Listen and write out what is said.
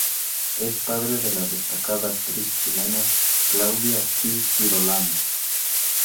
Es padre de la destacada actriz chilena Claudia Di Girolamo.